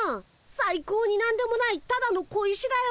さい高になんでもないただの小石だよ。